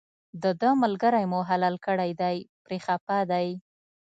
دده ملګری مو حلال کړی دی پرې خپه دی.